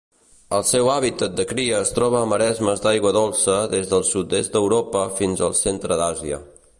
El seu hàbitat de cria es troba a maresmes d'aigua dolça des del sud-est d'Europa fins al centre d'Àsia.